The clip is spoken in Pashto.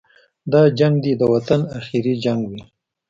دا جنګ دې د وطن اخري جنګ وي.